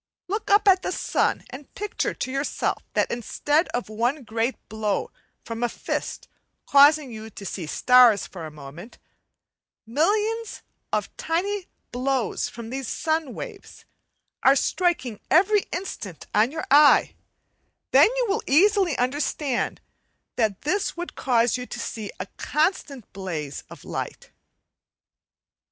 Look up at the sun and picture to yourself that instead of one great blow from a fist causing you to see starts for a moment, millions of tiny blows from these sun waves are striking every instant on you eye; then you will easily understand that his would cause you to see a constant blaze of light.